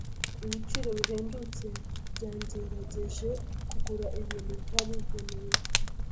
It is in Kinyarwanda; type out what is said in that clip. Ibiciro bihendutse byangerageje kugura ibintu ntari nkeneye.